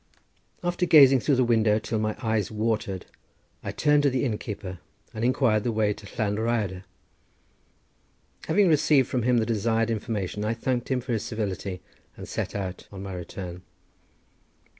After gazing through the window till my eyes watered, I turned to the innkeeper, and inquired the way to Llan Rhyadr. Having received from him the desired information, I thanked him for his civility, and set out on my return.